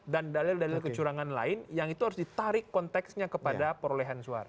dan dalil dalil kecurangan lain yang itu harus ditarik konteksnya kepada perolehan suara